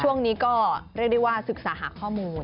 ช่วงนี้ก็เรียกได้ว่าศึกษาหาข้อมูล